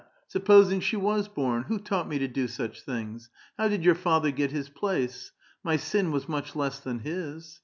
Supposing she was born? Who taught me to do such things? How did your father get his place ? My sin was much less than his.